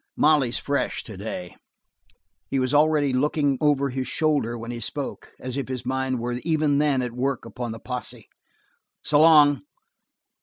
Molly's fresh today." He was already looking over his shoulder while he spoke; as if his mind were even then at work upon the posse. "S'long."